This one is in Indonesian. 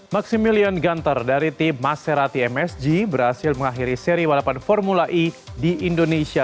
maximilion gunter dari tim maserati msg berhasil mengakhiri seri balapan formula e di indonesia